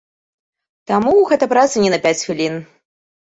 Таму гэта праца не на пяць хвілін.